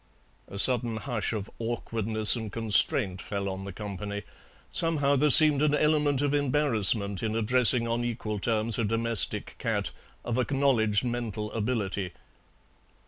A sudden hush of awkwardness and constraint fell on the company. Somehow there seemed an element of embarrassment in addressing on equal terms a domestic cat of acknowledged dental ability.